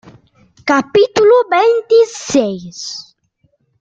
capítulo veintiséis.